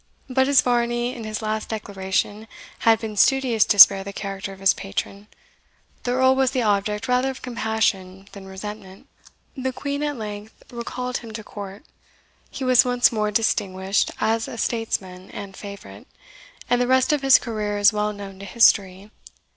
But as Varney in his last declaration had been studious to spare the character of his patron, the Earl was the object rather of compassion than resentment. The Queen at length recalled him to court; he was once more distinguished as a statesman and favourite; and the rest of his career is well known to history.